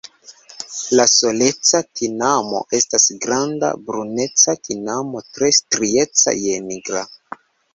La Soleca tinamo estas granda bruneca tinamo tre strieca je nigra.